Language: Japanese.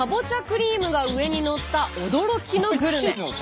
クリームが上にのった驚きのグルメ。